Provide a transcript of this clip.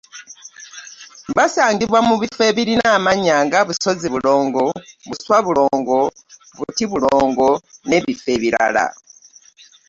Basangibwa mu bifo ebirina amannya nga: Busozibulongo, Buswabulongo, Butibulongo, n’ebifo ebirala.